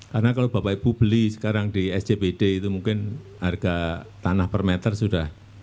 karena kalau bapak ibu beli sekarang di sjbd itu mungkin harga tanah per meter sudah